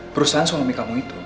perusahaan suami kamu itu